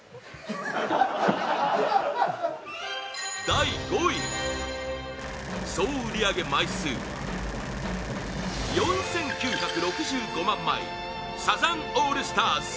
第５位総売り上げ枚数は４９６５万枚サザンオールスターズ